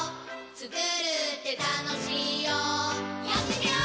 つくるってたのしいよやってみよー！